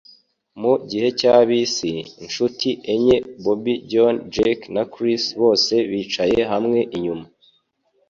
Mugihe cya bisi, inshuti enye - Bobby, John, Jake na Chris - bose bicaye hamwe inyuma.